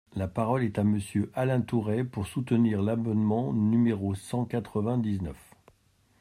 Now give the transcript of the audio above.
La parole est à Monsieur Alain Tourret, pour soutenir l’amendement numéro cent quatre-vingt-dix-neuf.